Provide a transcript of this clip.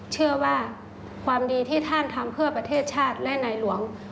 เชื่อว่าความดีที่ท่านทำเพื่อประเทศชาติและนายหลวง